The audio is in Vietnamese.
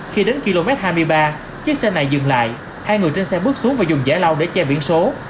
khi đến km hai mươi ba chiếc xe này dừng lại hai người trên xe bước xuống và dùng giải lau để che biển số